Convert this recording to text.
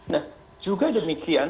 nah juga demikian